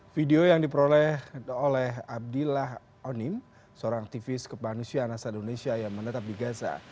video yang diperoleh oleh abdillah onim seorang aktivis kemanusiaan asal indonesia yang menetap di gaza